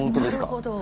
なるほど。